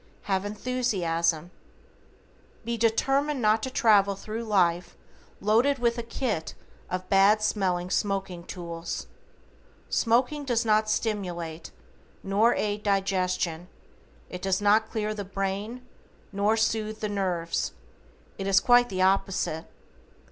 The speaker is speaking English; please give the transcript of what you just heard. Have enthusiasm. Be determined not to travel thru life loaded with a kit of bad smelling smoking tools. Smoking does not stimulate, nor aid digestion, it does not clear the brain, nor sooth the nerves. It is quite the opposite.